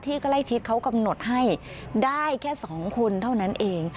ใกล้ชิดเขากำหนดให้ได้แค่๒คนเท่านั้นเอง